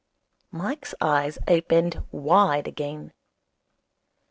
Mike's eyes opened wide again.